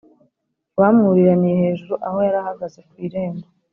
bamwuriraniye hejuru aho yari ahagaze ku irembo